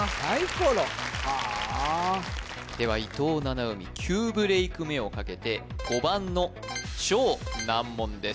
ころはでは伊藤七海９ブレイク目をかけて５番の超難問です